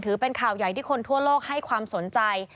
ถือเป็นข่าวใหญ่ที่คนทั่วโลกให้ความสนใจ